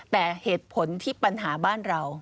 แต่เหตุผลที่ปัญหาบ้านเรา